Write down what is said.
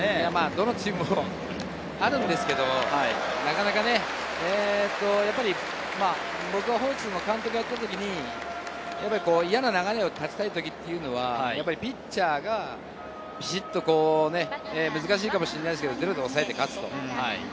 どのチームもあるんですけれど、僕はホークスの監督をやっていた時に嫌な流れを断ちたいときは、ピッチャーがビシっと、難しいかもしれないですけれど、ゼロで抑えて勝つ。